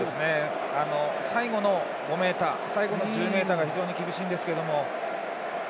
最後の５ｍ最後の１０ｍが非常に厳しいんですけれども。